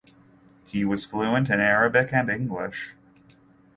He was fluent in Arabic and English.